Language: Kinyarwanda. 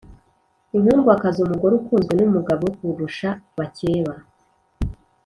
Inkundwakazi: umugore ukunzwe n’umugabo we kurushaa bakeba